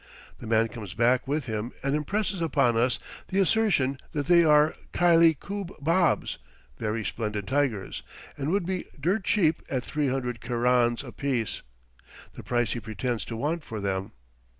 The man comes back with him and impresses upon us the assertion that they are khylie koob baabs (very splendid tigers), and would be dirt cheap at three hundred kerans apiece, the price he pretends to want for them.